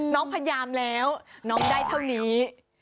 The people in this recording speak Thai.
น้องพยายามแล้วน้องได้เท่านี้